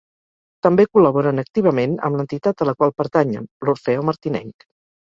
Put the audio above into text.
També col·laboren activament amb l’entitat a la qual pertanyen, l'Orfeó Martinenc.